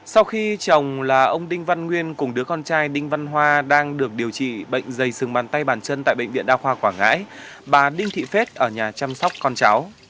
sau khi chồng là ông đinh văn nguyên cùng đứa con trai đinh văn hoa đang được điều trị bệnh dày sừng bàn tay bàn chân tại bệnh viện đa khoa quảng ngãi bà đinh thị phết ở nhà chăm sóc con cháu